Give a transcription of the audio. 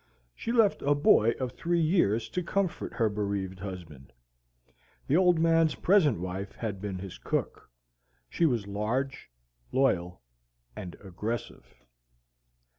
She left a boy of three years to comfort her bereaved husband. The Old Man's present wife had been his cook. She was large, loyal, and aggressive.